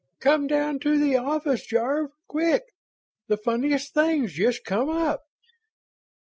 "Come down to the office, Jarve, quick! The funniest thing's just come up!"